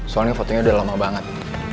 soalnya fotonya udah lama banget